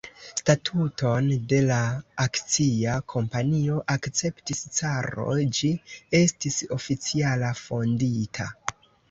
Statuton de la akcia kompanio akceptis caro; ĝi estis oficiala fondita.